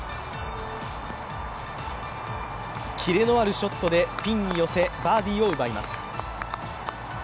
キレのあるショットでピンに寄せバーディーを奪います。